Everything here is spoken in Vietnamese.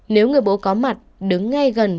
nếu người bố có mặt đứng ngay gần